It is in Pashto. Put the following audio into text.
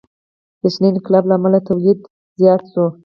د شنه انقلاب له امله تولید زیات شو.